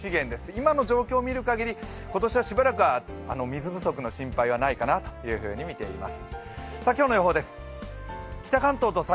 今の状況見る限り今年はしばらく水不足の心配はないかなと見ています。